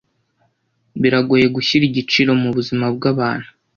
Biragoye gushyira igiciro mubuzima bwabantu.